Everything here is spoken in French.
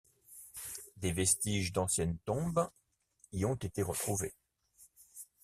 Des vestiges d'anciennes tombes y ont été retrouvés.